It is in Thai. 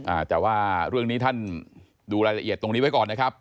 อ่าแต่ว่าเรื่องนี้ท่านดูรายละเอียดตรงนี้ไว้ก่อนนะครับ